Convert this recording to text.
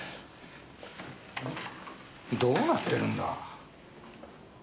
どうなってるんだ？